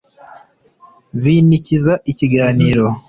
Binikiza ikiganiro